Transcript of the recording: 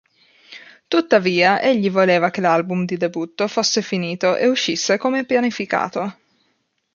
Tuttavia, egli voleva che l'album di debutto fosse finito e uscisse come pianificato.